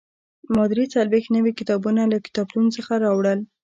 ما درې څلوېښت نوي کتابونه له کتابتون څخه راوړل.